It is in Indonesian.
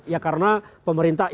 ya karena pemerintah ini